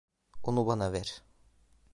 Onu bana ver.